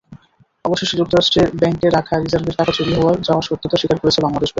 অবশেষে যুক্তরাষ্ট্রের ব্যাংকে রাখা রিজার্ভের টাকা চুরি যাওয়ার সত্যতা স্বীকার করেছে বাংলাদেশ ব্যাংক।